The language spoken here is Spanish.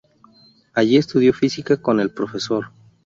Allí estudió física con el prof.